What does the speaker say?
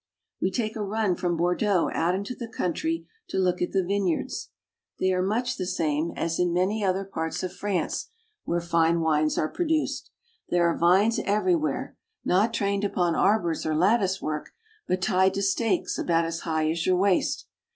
We take a run from Bordeaux out into the country to look at the vineyards. They are much the same as in 9 8 FRANCE. many other parts of France where fine wines are produced. There are vines everywhere ; not trained upon arbors or latticework, but tied to stakes about as high as your waist.